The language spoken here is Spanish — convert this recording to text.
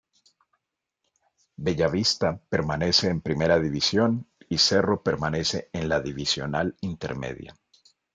Bella Vista permanece en Primera División y Cerro permanece en la Divisional Intermedia.